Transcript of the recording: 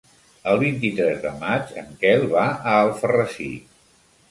El vint-i-tres de maig en Quel va a Alfarrasí.